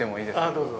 どうぞ。